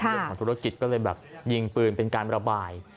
เรื่องของธุรกิจก็เลยแบบยิงปืนเป็นการระบาย